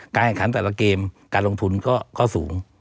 แข่งขันแต่ละเกมการลงทุนก็สูง